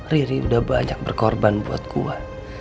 riri udah banyak berkorban buat kuat